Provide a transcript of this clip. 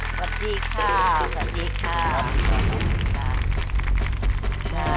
สวัสดีค่ะสวัสดีค่ะ